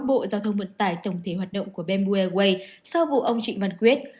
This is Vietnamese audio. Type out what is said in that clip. bộ giao thông vận tải tổng thể hoạt động của bamboo airways sau vụ ông trịnh văn quyết